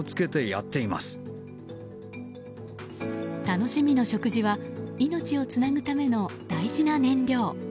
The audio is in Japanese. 楽しみの食事は命をつなぐための大事な燃料。